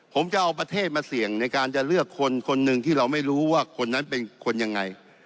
ผมจะเอาประเทศมาเสี่ยงในการจะเลือกคนคนหนึ่งที่เราไม่รู้ว่าคนนั้นเป็นคนยังไง